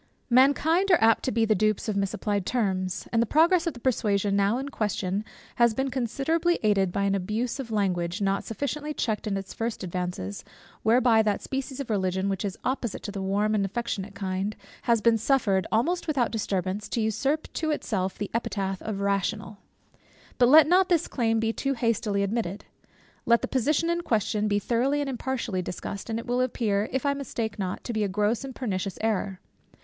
Mankind are apt to be the dupes of misapplied terms; and the progress of the persuasion now in question, has been considerably aided by an abuse of language, not sufficiently checked in its first advances, whereby that species of Religion which is opposite to the warm and affectionate kind, has been suffered almost without disturbance, to usurp to itself the epithet of rational. But let not this claim be too hastily admitted. Let the position in question be thoroughly and impartially discussed, and it will appear, if I mistake not, to be a gross and pernicious error.